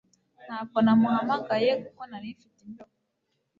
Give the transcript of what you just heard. Ntabwo namuhamagaye kuko nari mfite imbeho